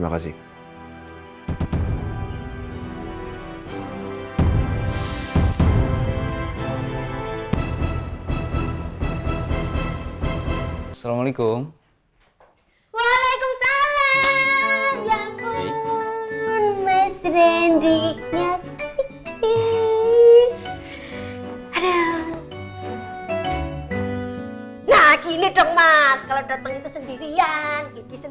nah gini dong mas kalau datang itu sendirian